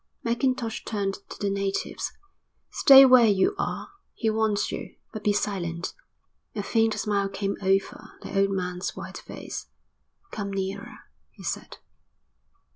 Mackintosh turned to the natives. "Stay where you are. He wants you. But be silent." A faint smile came over the old man's white face. "Come nearer," he said.